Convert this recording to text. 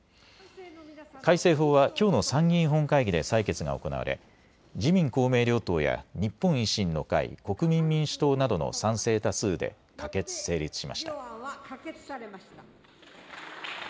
改正法はきょうの参議院本会議で採決が行われ自民公明両党や日本維新の会、国民民主党などの賛成多数で可決・成立しました。